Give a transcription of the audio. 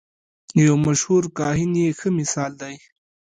یو مشهور کاهن یې ښه مثال دی.